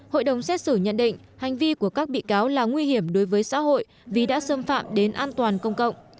hội đồng xét xử nhận định hành vi của các bị cáo là nguy hiểm đối với xã hội vì đã xâm phạm đến an toàn công cộng